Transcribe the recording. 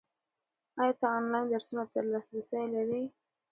ایا ته آنلاین درسونو ته لاسرسی لرې؟